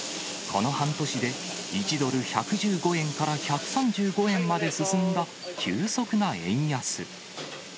この半年で、１ドル１１５円から１３５円まで進んだ急速な円安。